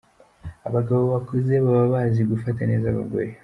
Abagabo bakuze baba bazi gufata neza abagore .